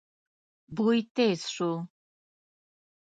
بوی تېز شو.